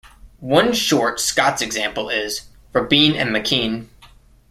One short Scots example is "Robene and Makyne".